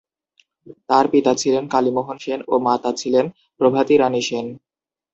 পিতা ছিলেন "কালী মোহন সেন" ও মাতা ছিলেন "প্রতিভা রানী সেন"।